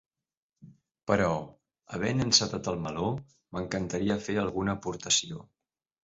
Però, havent encetat el meló, m’encantaria fer alguna aportació.